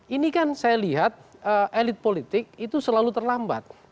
ini kan saya lihat elit politik itu selalu terlambat